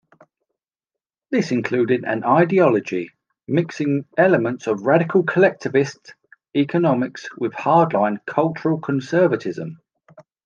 This included an ideology mixing elements of radical collectivist economics with hardline cultural conservatism.